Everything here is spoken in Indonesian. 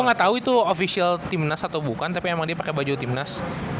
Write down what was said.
gue gak tau itu official timnas atau bukan tapi emang dia pake baju timnas